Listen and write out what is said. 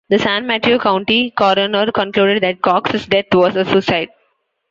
The San Mateo County coroner concluded that Cox's death was a suicide.